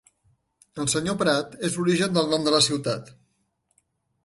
El Sr. Pratt és l'origen del nom de la ciutat.